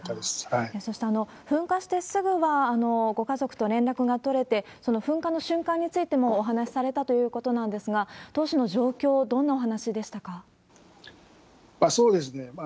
そして噴火してすぐはご家族と連絡が取れて、その噴火の瞬間についても、お話しされたということなんですが、当時の状況、どんなお話でしたか？